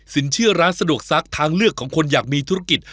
เชื่อร้านสะดวกซักทางเลือกของคนอยากมีธุรกิจ